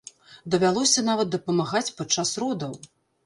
Давялося нават дапамагаць падчас родаў!